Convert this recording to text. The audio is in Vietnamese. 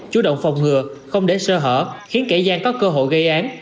chủ động phòng ngừa không để sơ hở khiến kẻ gian có cơ hội gây án